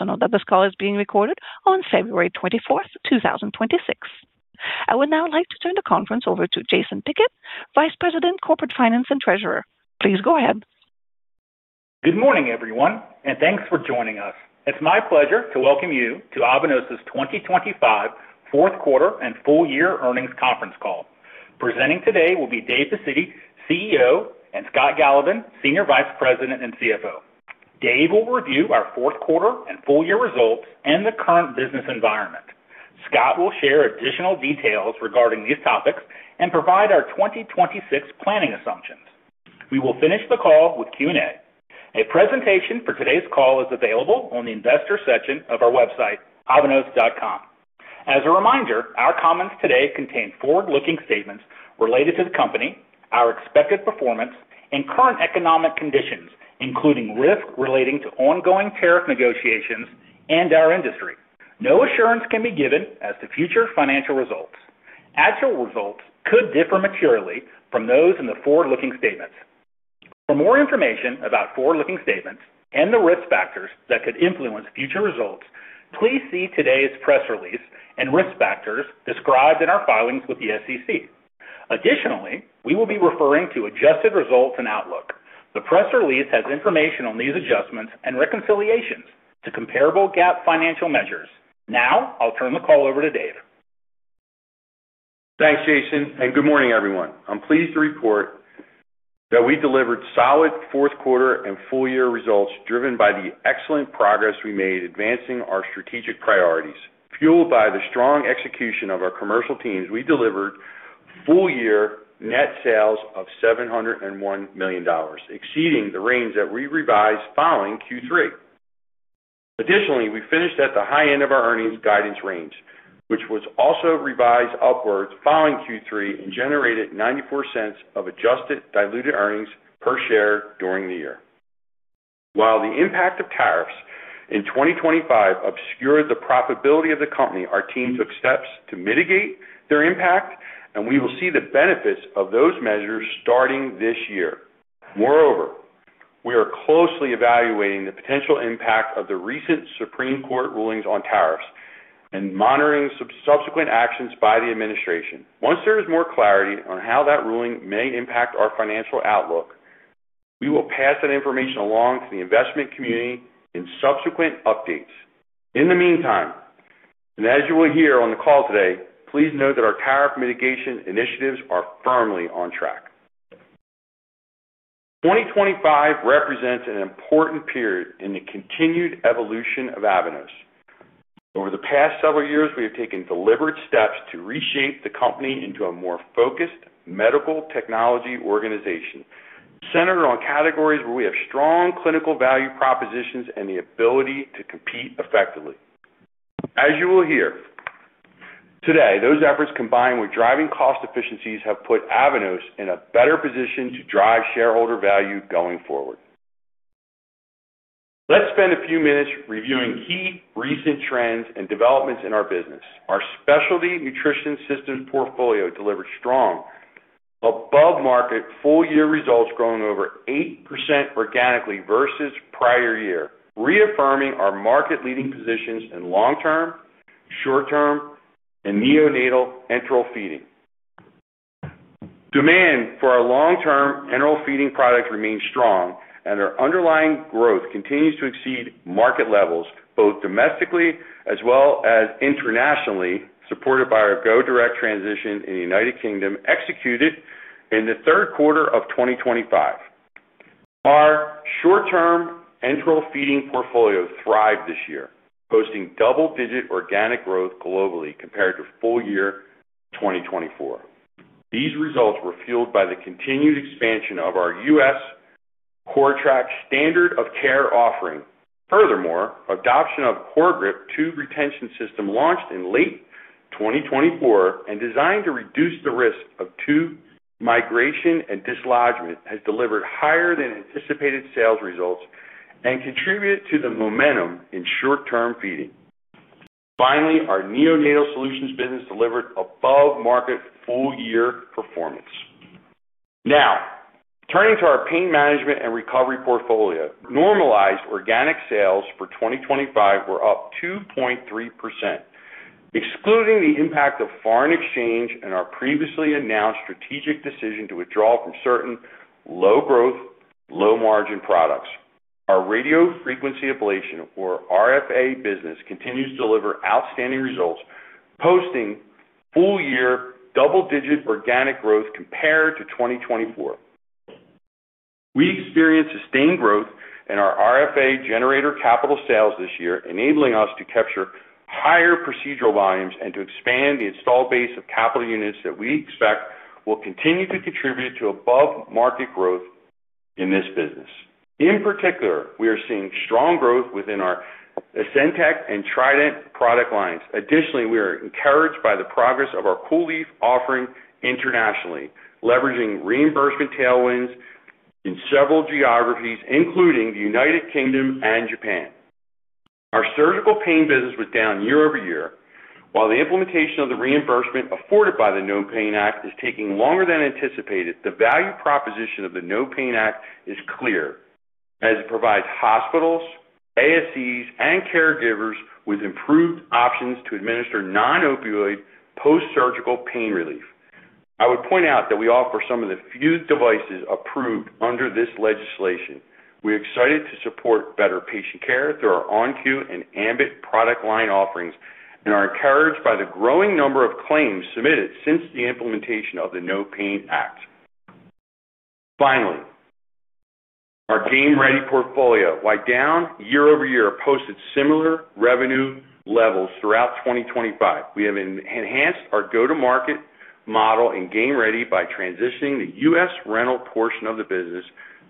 Note that this call is being recorded on February 24th, 2026. I would now like to turn the conference over to Jason Pickett, Vice President, Corporate Finance and Treasurer. Please go ahead. Good morning, everyone, and thanks for joining us. It's my pleasure to welcome you to Avanos's 2025 Fourth Quarter and Full Year Earnings Conference Call. Presenting today will be Dave Pacitti, CEO, and Scott Galovan, Senior Vice President and CFO. Dave will review our fourth quarter and full year results and the current business environment. Scott will share additional details regarding these topics and provide our 2026 planning assumptions. We will finish the call with Q&A. A presentation for today's call is available on the investor section of our website, avanos.com. As a reminder, our comments today contain forward-looking statements related to the company, our expected performance, and current economic conditions, including risk relating to ongoing tariff negotiations and our industry. No assurance can be given as to future financial results. Actual results could differ materially from those in the forward-looking statements. For more information about forward-looking statements and the risk factors that could influence future results, please see today's press release and risk factors described in our filings with the SEC. Additionally, we will be referring to adjusted results and outlook. The press release has information on these adjustments and reconciliations to comparable GAAP financial measures. Now, I'll turn the call over to Dave. Thanks, Jason. Good morning, everyone. I'm pleased to report that we delivered solid fourth quarter and full year results, driven by the excellent progress we made advancing our strategic priorities. Fueled by the strong execution of our commercial teams, we delivered full year net sales of $701 million, exceeding the range that we revised following Q3. Additionally, we finished at the high end of our earnings guidance range, which was also revised upwards following Q3 and generated $0.94 of adjusted diluted earnings per share during the year. While the impact of tariffs in 2025 obscured the profitability of the company, our team took steps to mitigate their impact, and we will see the benefits of those measures starting this year. Moreover, we are closely evaluating the potential impact of the recent Supreme Court rulings on tariffs and monitoring subsequent actions by the administration. Once there is more clarity on how that ruling may impact our financial outlook, we will pass that information along to the investment community in subsequent updates. In the meantime, as you will hear on the call today, please note that our tariff mitigation initiatives are firmly on track. 2025 represents an important period in the continued evolution of Avanos. Over the past several years, we have taken deliberate steps to reshape the company into a more focused medical technology organization, centered on categories where we have strong clinical value propositions and the ability to compete effectively. As you will hear, today, those efforts, combined with driving cost efficiencies, have put Avanos in a better position to drive shareholder value going forward. Let's spend a few minutes reviewing key recent trends and developments in our business. Our Specialty Nutrition Systems portfolio delivered strong above market full year results, growing over 8% organically versus prior year, reaffirming our market-leading positions in long-term, short-term, and neonatal enteral feeding. Demand for our long-term enteral feeding products remains strong, our underlying growth continues to exceed market levels, both domestically as well as internationally, supported by our Go Direct transition in the United Kingdom, executed in the third quarter of 2025. Our short-term enteral feeding portfolio thrived this year, posting double-digit organic growth globally compared to full year 2024. These results were fueled by the continued expansion of our U.S. CORTRAK standard of care offering. Furthermore, adoption of CORGRIP tube retention system, launched in late 2024 and designed to reduce the risk of tube migration and dislodgement, has delivered higher than anticipated sales results and contributed to the momentum in short-term feeding. Finally, our neonatal solutions business delivered above market full year performance. Turning to our Pain Management & Recovery portfolio. Normalized organic sales for 2025 were up 2.3%, excluding the impact of foreign exchange and our previously announced strategic decision to withdraw from certain low growth, low margin products. Our radiofrequency ablation, or RFA, business continues to deliver outstanding results, posting full year double-digit organic growth compared to 2024. We experienced sustained growth in our RFA generator capital sales this year, enabling us to capture higher procedural volumes and to expand the installed base of capital units that we expect will continue to contribute to above-market growth in this business. In particular, we are seeing strong growth within our ESENTEC and TRIDENT product lines. Additionally, we are encouraged by the progress of our COOLIEF offering internationally, leveraging reimbursement tailwinds in several geographies, including the United Kingdom and Japan. Our surgical pain business was down year-over-year. While the implementation of the reimbursement afforded by the NOPAIN Act is taking longer than anticipated, the value proposition of the NOPAIN Act is clear, as it provides hospitals, ASCs, and caregivers with improved options to administer non-opioid post-surgical pain relief. I would point out that we offer some of the few devices approved under this legislation. We're excited to support better patient care through our ON-Q and ambIT product line offerings, and are encouraged by the growing number of claims submitted since the implementation of the NOPAIN Act. Finally, our Game Ready portfolio, while down year-over-year, posted similar revenue levels throughout 2025. We have enhanced our go-to-market model in Game Ready by transitioning the U.S. rental portion of the business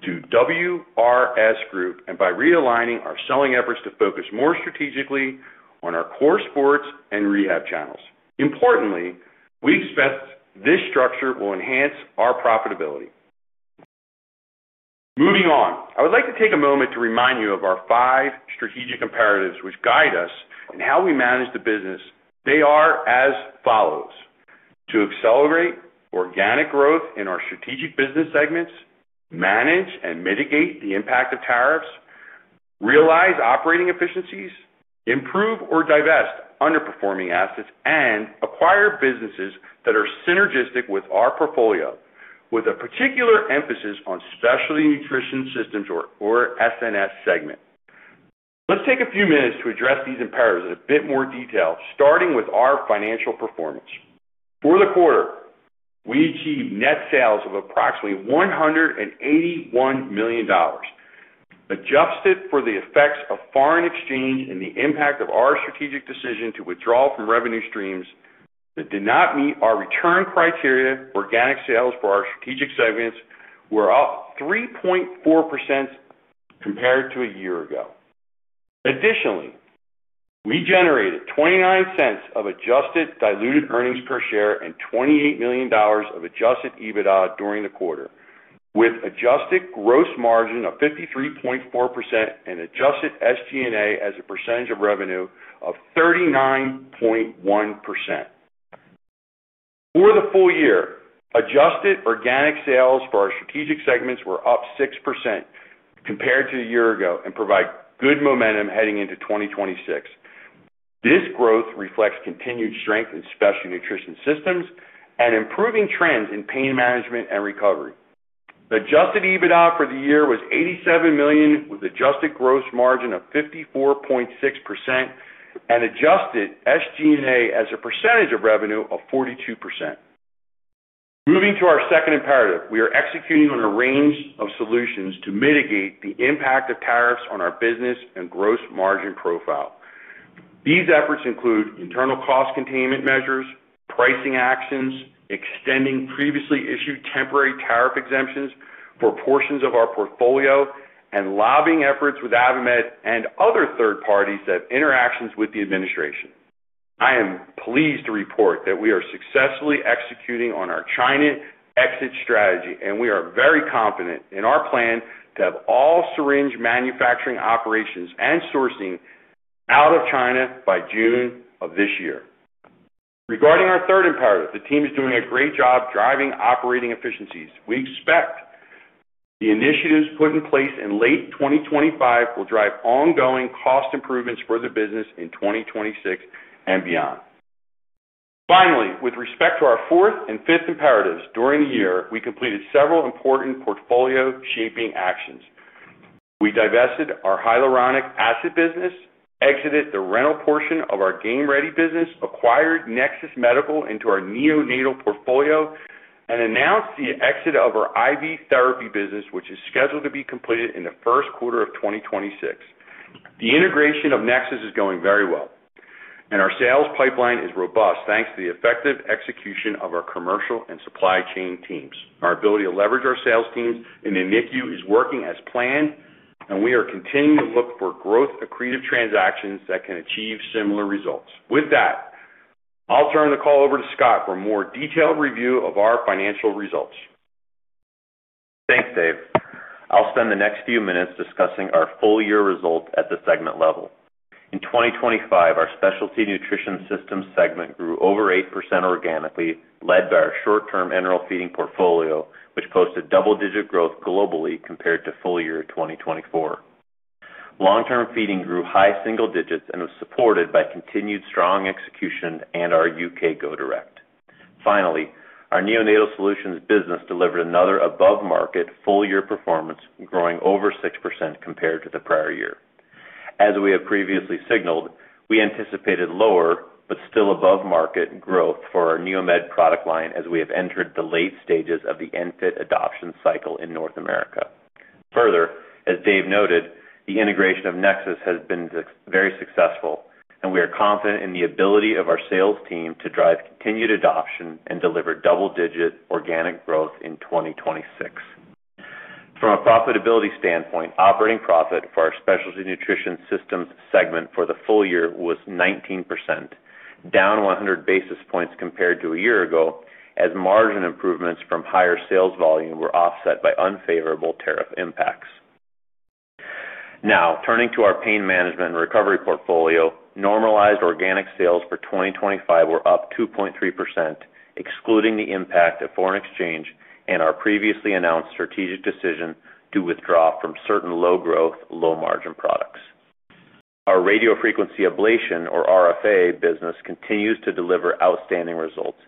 to WRS Group, and by realigning our selling efforts to focus more strategically on our core sports and rehab channels. Importantly, we expect this structure will enhance our profitability. Moving on, I would like to take a moment to remind you of our five strategic imperatives, which guide us in how we manage the business. They are as follows: To accelerate organic growth in our strategic business segments, manage and mitigate the impact of tariffs, realize operating efficiencies, improve or divest underperforming assets, and acquire businesses that are synergistic with our portfolio, with a particular emphasis on Specialty Nutrition Systems, or SNS segment. Let's take a few minutes to address these imperatives in a bit more detail, starting with our financial performance. For the quarter, we achieved net sales of approximately $181 million. Adjusted for the effects of foreign exchange and the impact of our strategic decision to withdraw from revenue streams that did not meet our return criteria, organic sales for our strategic segments were up 3.4% compared to a year ago. We generated $0.29 of adjusted diluted earnings per share and $28 million of adjusted EBITDA during the quarter, with adjusted gross margin of 53.4% and adjusted SG&A as a percentage of revenue of 39.1%. For the full year, adjusted organic sales for our strategic segments were up 6% compared to a year ago, provide good momentum heading into 2026. This growth reflects continued strength in Specialty Nutrition Systems and improving trends in Pain Management & Recovery. The adjusted EBITDA for the year was $87 million, with adjusted gross margin of 54.6% and adjusted SG&A as a percentage of revenue of 42%. Moving to our second imperative, we are executing on a range of solutions to mitigate the impact of tariffs on our business and gross margin profile. These efforts include internal cost containment measures, pricing actions, extending previously issued temporary tariff exemptions for portions of our portfolio, and lobbying efforts with AdvaMed and other third parties that have interactions with the administration. I am pleased to report that we are successfully executing on our China exit strategy, and we are very confident in our plan to have all syringe manufacturing operations and sourcing out of China by June of this year. Regarding our third imperative, the team is doing a great job driving operating efficiencies. We expect the initiatives put in place in late 2025 will drive ongoing cost improvements for the business in 2026 and beyond. Finally, with respect to our fourth and fifth imperatives, during the year, we completed several important portfolio-shaping actions. We divested our hyaluronic acid business, exited the rental portion of our Game Ready business, acquired Nexus Medical into our neonatal portfolio, and announced the exit of our IV therapy business, which is scheduled to be completed in the first quarter of 2026. The integration of Nexus is going very well, and our sales pipeline is robust, thanks to the effective execution of our commercial and supply chain teams. Our ability to leverage our sales teams in the NICU is working as planned, and we are continuing to look for growth accretive transactions that can achieve similar results. With that, I'll turn the call over to Scott for a more detailed review of our financial results. Thanks, Dave. I'll spend the next few minutes discussing our full year results at the segment level. In 2025, our Specialty Nutrition Systems segment grew over 8% organically, led by our short-term enteral feeding portfolio, which posted double-digit growth globally compared to full year 2024. Long-term feeding grew high single digits and was supported by continued strong execution and our U.K. Go Direct. Finally, our Neonatal Solutions business delivered another above-market full-year performance, growing over 6% compared to the prior year. As we have previously signaled, we anticipated lower, but still above-market, growth for our NeoMed product line as we have entered the late stages of the ENFit adoption cycle in North America. Further, as Dave noted, the integration of Nexus has been very successful, and we are confident in the ability of our sales team to drive continued adoption and deliver double-digit organic growth in 2026. From a profitability standpoint, operating profit for our Specialty Nutrition Systems segment for the full year was 19%, down 100 basis points compared to a year ago, as margin improvements from higher sales volume were offset by unfavorable tariff impacts. Turning to our Pain Management and Recovery portfolio, normalized organic sales for 2025 were up 2.3%, excluding the impact of foreign exchange and our previously announced strategic decision to withdraw from certain low-growth, low-margin products. Our radiofrequency ablation, or RFA, business continues to deliver outstanding results,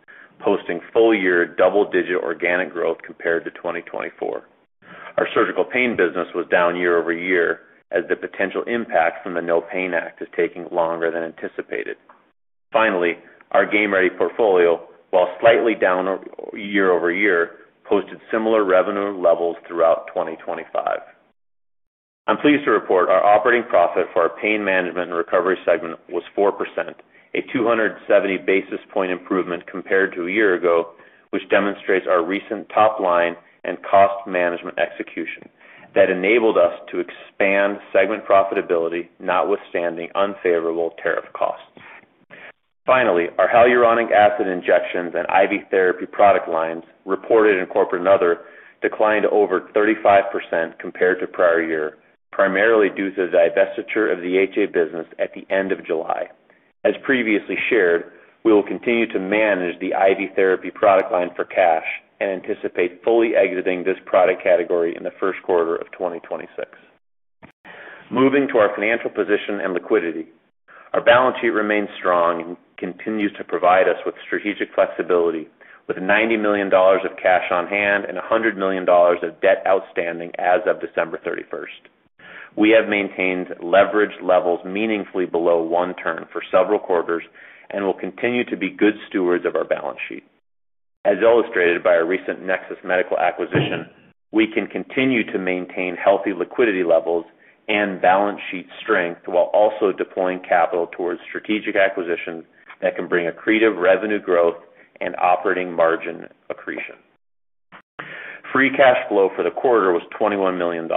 posting full-year double-digit organic growth compared to 2024. Our surgical pain business was down year-over-year, as the potential impact from the NOPAIN Act is taking longer than anticipated. Finally, our Game Ready portfolio, while slightly down year-over-year, posted similar revenue levels throughout 2025. I'm pleased to report our operating profit for our Pain Management & Recovery segment was 4%, a 270 basis point improvement compared to a year ago, which demonstrates our recent top line and cost management execution that enabled us to expand segment profitability, notwithstanding unfavorable tariff costs. Finally, our hyaluronic acid injections and IV therapy product lines, reported in Corporate and Other, declined over 35% compared to prior year, primarily due to the divestiture of the HA business at the end of July. As previously shared, we will continue to manage the IV therapy product line for cash and anticipate fully exiting this product category in the first quarter of 2026. Moving to our financial position and liquidity. Our balance sheet remains strong and continues to provide us with strategic flexibility, with $90 million of cash on hand and $100 million of debt outstanding as of December 31st. We have maintained leverage levels meaningfully below one turn for several quarters and will continue to be good stewards of our balance sheet. As illustrated by our recent Nexus Medical acquisition, we can continue to maintain healthy liquidity levels and balance sheet strength, while also deploying capital towards strategic acquisitions that can bring accretive revenue growth and operating margin accretion. Free cash flow for the quarter was $21 million.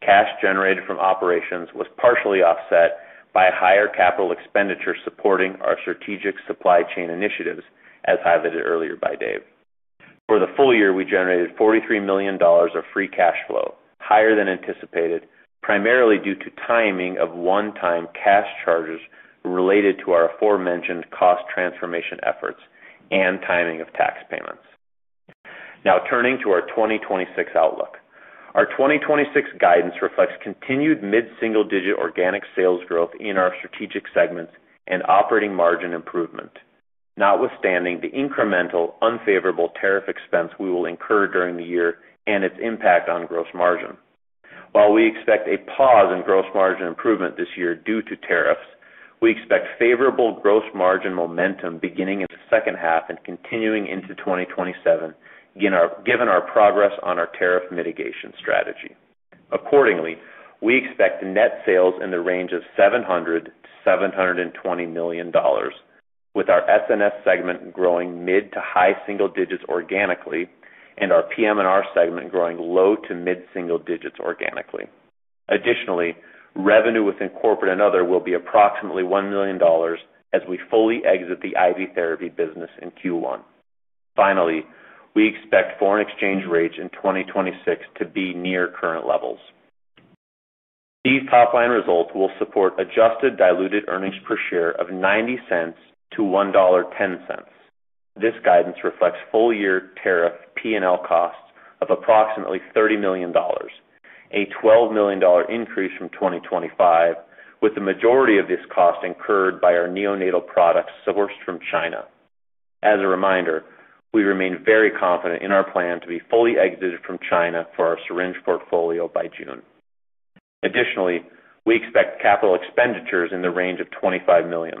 Cash generated from operations was partially offset by higher capital expenditures supporting our strategic supply chain initiatives, as highlighted earlier by Dave. For the full year, we generated $43 million of free cash flow, higher than anticipated, primarily due to timing of one-time cash charges related to our aforementioned cost transformation efforts and timing of tax payments. Turning to our 2026 outlook. Our 2026 guidance reflects continued mid-single-digit organic sales growth in our strategic segments and operating margin improvement, notwithstanding the incremental unfavorable tariff expense we will incur during the year and its impact on gross margin. While we expect a pause in gross margin improvement this year due to tariffs, we expect favorable gross margin momentum beginning in the second half and continuing into 2027, given our progress on our tariff mitigation strategy. Accordingly, we expect net sales in the range of $700 million-$720 million, with our SNS segment growing mid to high single digits organically and our PM&R segment growing low to mid single digits organically. Additionally, revenue within Corporate and Other will be approximately $1 million as we fully exit the IV therapy business in Q1. Finally, we expect foreign exchange rates in 2026 to be near current levels. These top-line results will support adjusted diluted earnings per share of $0.90-$1.10. This guidance reflects full-year tariff P&L costs of approximately $30 million, a $12 million increase from 2025, with the majority of this cost incurred by our neonatal products sourced from China. As a reminder, we remain very confident in our plan to be fully exited from China for our syringe portfolio by June. Additionally, we expect capital expenditures in the range of $25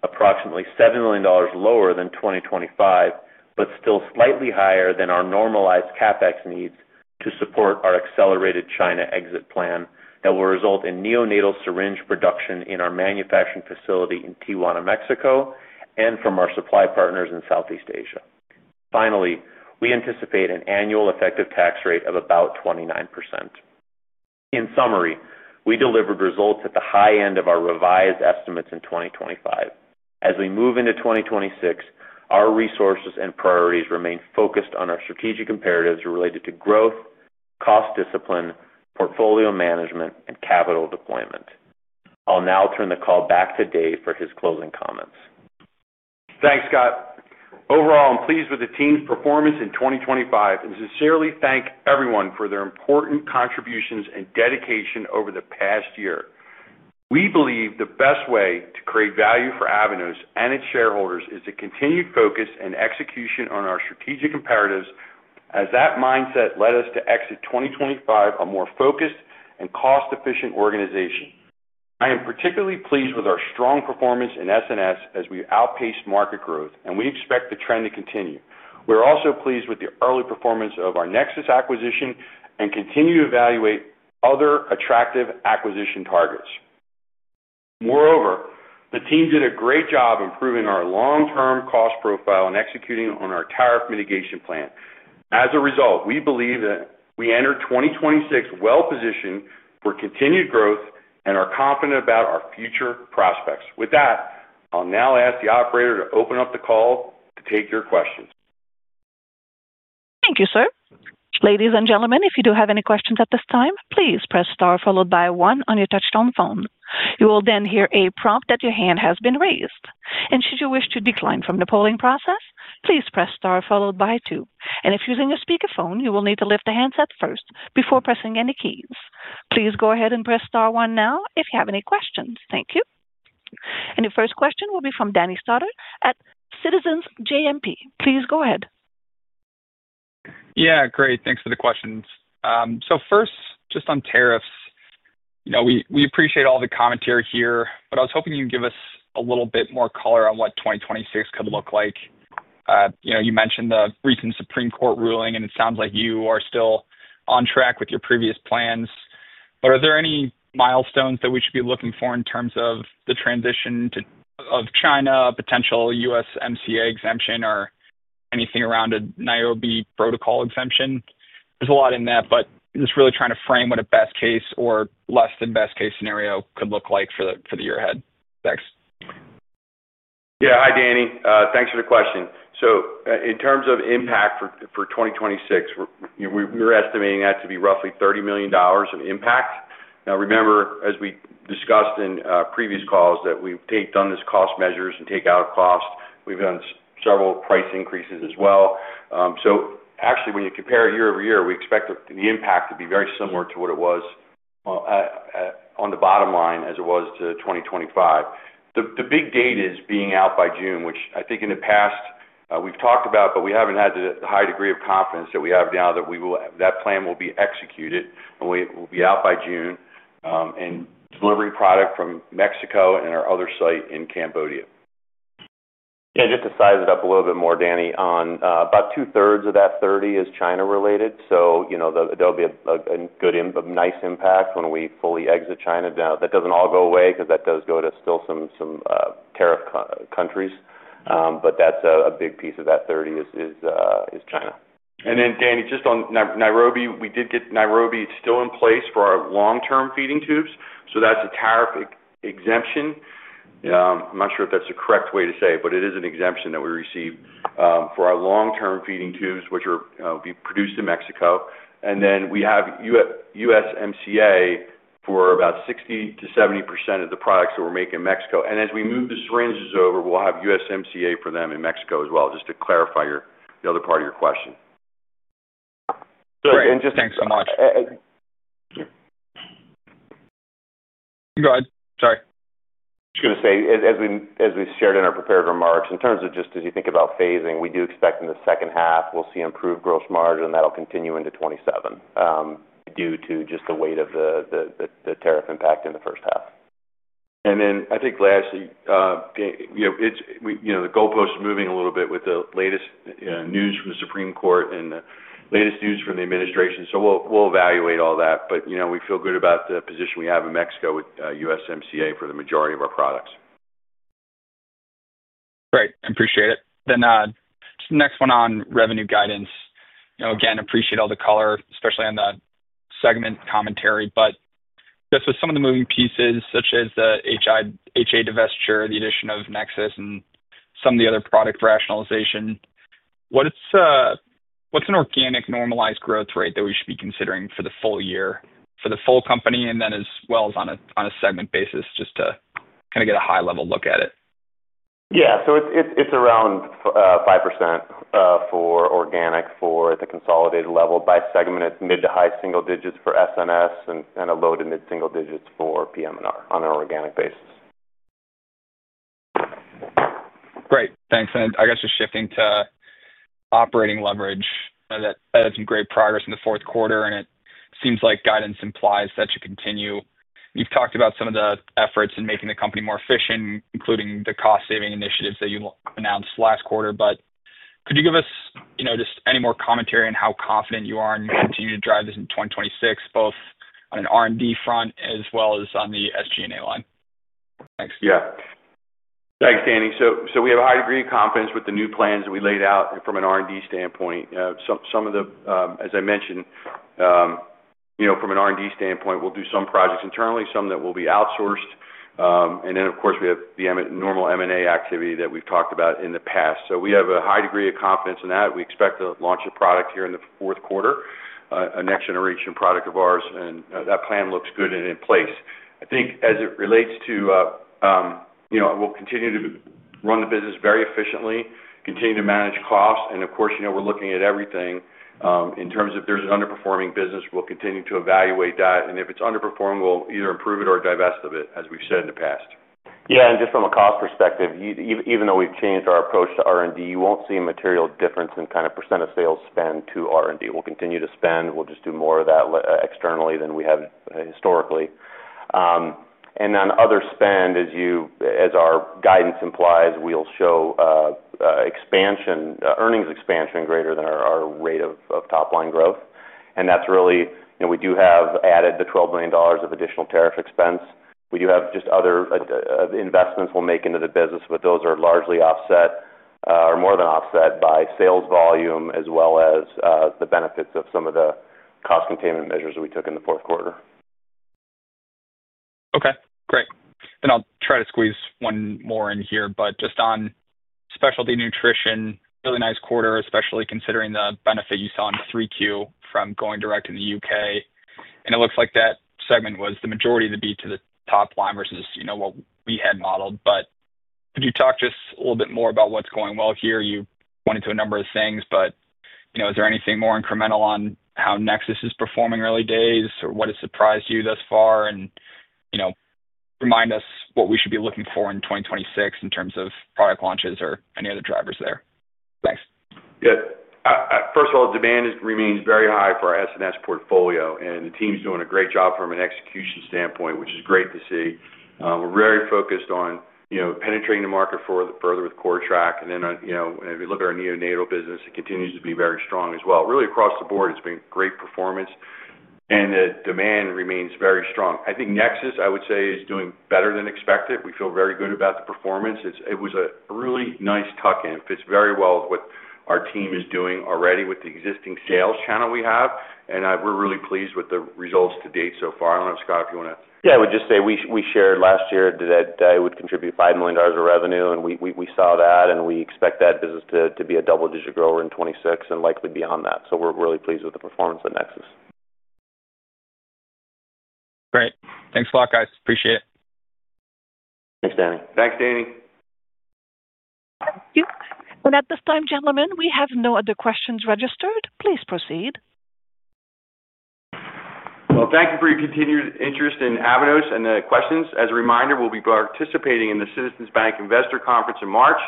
million, approximately $7 million lower than 2025, but still slightly higher than our normalized CapEx needs to support our accelerated China exit plan that will result in neonatal syringe production in our manufacturing facility in Tijuana, Mexico, and from our supply partners in Southeast Asia. Finally, we anticipate an annual effective tax rate of about 29%. In summary, we delivered results at the high end of our revised estimates in 2025. As we move into 2026, our resources and priorities remain focused on our strategic imperatives related to growth, cost discipline, portfolio management, and capital deployment. I'll now turn the call back to Dave for his closing comments. Thanks, Scott. Overall, I'm pleased with the team's performance in 2025 and sincerely thank everyone for their important contributions and dedication over the past year. We believe the best way to create value for Avanos and its shareholders is a continued focus and execution on our strategic imperatives, as that mindset led us to exit 2025 a more focused and cost-efficient organization. I am particularly pleased with our strong performance in SNS as we outpaced market growth. We expect the trend to continue. We're also pleased with the early performance of our Nexus acquisition and continue to evaluate other attractive acquisition targets. The team did a great job improving our long-term cost profile and executing on our tariff mitigation plan. We believe that we enter 2026 well positioned for continued growth and are confident about our future prospects. With that, I'll now ask the operator to open up the call to take your questions. Thank you, sir. Ladies and gentlemen, if you do have any questions at this time, please press star, followed by one on your touch-tone phone. You will then hear a prompt that your hand has been raised, and should you wish to decline from the polling process, please press star, followed by two. If using a speakerphone, you will need to lift the handset first before pressing any keys. Please go ahead and press star one now if you have any questions. Thank you. Your first question will be from Danny Stauder at Citizens JMP. Please go ahead. Yeah, great, thanks for the questions. First, just on tariffs. You know, we appreciate all the commentary here, but I was hoping you'd give us a little bit more color on what 2026 could look like. You know, you mentioned the recent Supreme Court ruling, and it sounds like you are still on track with your previous plans. Are there any milestones that we should be looking for in terms of the transition to China, potential USMCA exemption, or anything around a Nairobi Protocol exemption? There's a lot in that, just really trying to frame what a best case or less than best-case scenario could look like for the, for the year ahead. Thanks. Yeah. Hi, Danny. Thanks for the question. In terms of impact for 2026, we're estimating that to be roughly $30 million of impact. Now, remember, as we discussed in previous calls, that we've taken on this cost measures and take out cost. We've done several price increases as well. Actually, when you compare year-over-year, we expect the impact to be very similar to what it was on the bottom line as it was to 2025. The big date is being out by June, which I think in the past, we've talked about, but we haven't had the high degree of confidence that we have now that plan will be executed, and we will be out by June, and delivering product from Mexico and our other site in Cambodia. Yeah, just to size it up a little bit more, Danny, on about two-thirds of that 30 is China-related. You know, there'll be a nice impact when we fully exit China. That doesn't all go away because that does go to still some tariff countries. That's a big piece of that 30 is China. Danny, just on Nairobi, we did get Nairobi. It's still in place for our long-term feeding tubes, that's a tariff exemption. I'm not sure if that's the correct way to say it is an exemption that we received for our long-term feeding tubes, which are produced in Mexico. We have USMCA for about 60%-70% of the products that we make in Mexico. As we move the syringes over, we'll have USMCA for them in Mexico as well, just to clarify the other part of your question. Great, just thanks so much. And. Go ahead. Sorry. Just going to say, as we shared in our prepared remarks, in terms of just as you think about phasing, we do expect in the second half, we'll see improved gross margin, and that'll continue into 2027, due to just the weight of the tariff impact in the first half. I think lastly, you know, it's, we, you know, the goalpost is moving a little bit with the latest news from the Supreme Court and the latest news from the administration, we'll evaluate all that. You know, we feel good about the position we have in Mexico with USMCA for the majority of our products. Great, appreciate it. Just the next one on revenue guidance. You know, again, appreciate all the color, especially on the segment commentary, but just with some of the moving pieces, such as the HA divestiture, the addition of Nexus and some of the other product rationalization, what's an organic normalized growth rate that we should be considering for the full year, for the full company, and then as well as on a segment basis, just to kind of get a high-level look at it? Yeah. It's around 5% for organic for the consolidated level by segment. It's mid to high single digits for SNS and a low to mid single digits for PM&R on an organic basis. I guess just shifting to operating leverage, I know that had some great progress in the fourth quarter, and it seems like guidance implies that should continue. You've talked about some of the efforts in making the company more efficient, including the cost-saving initiatives that you announced last quarter. Could you give us, you know, just any more commentary on how confident you are in continuing to drive this in 2026, both on an R&D front as well as on the SG&A line? Thanks. Thanks, Danny. we have a high degree of confidence with the new plans that we laid out from an R&D standpoint. As I mentioned, you know, from an R&D standpoint, we'll do some projects internally, some that will be outsourced. Then, of course, we have the normal M&A activity that we've talked about in the past. we have a high degree of confidence in that. We expect to launch a product here in the fourth quarter, a next-generation product of ours, and that plan looks good and in place. I think as it relates to, you know, we'll continue to run the business very efficiently, continue to manage costs. Of course, you know, we're looking at everything, in terms of if there's an underperforming business, we'll continue to evaluate that. If it's underperforming, we'll either improve it or divest of it, as we've said in the past. Yeah, just from a cost perspective, even though we've changed our approach to R&D, you won't see a material difference in kind of % of sales spend to R&D. We'll continue to spend. We'll just do more of that externally than we have historically. Other spend, as our guidance implies, we'll show expansion, earnings expansion greater than our rate of top-line growth, and that's really. You know, we do have added the $12 million of additional tariff expense. We do have just other investments we'll make into the business, those are largely offset or more than offset by sales volume, as well as the benefits of some of the cost containment measures we took in the fourth quarter. I'll try to squeeze one more in here, but just on specialty nutrition, really nice quarter, especially considering the benefit you saw in 3Q from going direct in the U.K. It looks like that segment was the majority of the beat to the top line versus, you know, what we had modeled. Could you talk to us a little bit more about what's going well here? You went into a number of things, but, you know, is there anything more incremental on how Nexus is performing early days, or what has surprised you thus far? You know, remind us what we should be looking for in 2026 in terms of product launches or any other drivers there. Thanks. First of all, demand remains very high for our SNS portfolio, and the team's doing a great job from an execution standpoint, which is great to see. We're very focused on, you know, penetrating the market for the further with CORTRAK. If you look at our neonatal business, it continues to be very strong as well. Really, across the board, it's been great performance, and the demand remains very strong. I think Nexus, I would say, is doing better than expected. We feel very good about the performance. It was a really nice tuck-in. It fits very well with what our team is doing already with the existing sales channel we have, we're really pleased with the results to date so far. I don't know, Scott, if you want to. I would just say we shared last year that it would contribute $5 million of revenue, and we saw that, and we expect that business to be a double-digit grower in 2026 and likely beyond that. We're really pleased with the performance of Nexus. Great. Thanks a lot, guys. Appreciate it. Thanks, Danny. Thanks, Danny. Thank you. At this time, gentlemen, we have no other questions registered. Please proceed. Well, thank you for your continued interest in Avanos and the questions. As a reminder, we'll be participating in the Citizens Bank Investor Conference in March,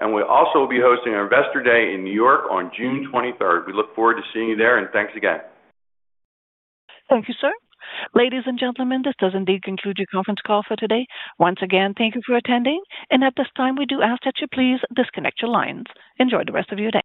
and we also will be hosting an Investor Day in New York on June 23rd. We look forward to seeing you there, and thanks again. Thank you, sir. Ladies and gentlemen, this does indeed conclude your conference call for today. Once again, thank you for attending, and at this time, we do ask that you please disconnect your lines. Enjoy the rest of your day.